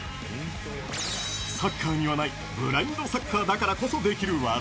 サッカーにはないブラインドサッカーだからこそできる技。